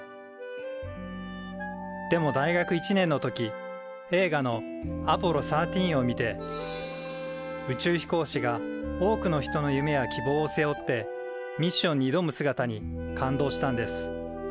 でも大学１年の時映画の「アポロ１３」をみて宇宙飛行士が多くの人の夢や希望を背負ってミッションにいどむ姿に感動したんです。